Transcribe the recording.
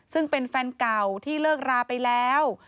ซึ่งเป็นแฟนเก่าที่เลิกราไปแล้ว